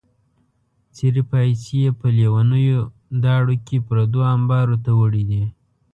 څېرې پایڅې یې په لیونیو داړو کې پردو امبارو ته وړې دي.